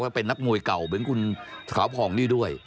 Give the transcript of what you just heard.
ก็เป็นนักมวยเก่าเป็นคุณข่าวผองดีด้วย